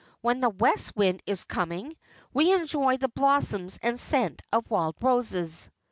When the west wind is coming, we enjoy the blossoms and scent of wild roses."